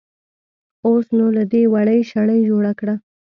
اوس نو له دې وړۍ شړۍ جوړه کړه.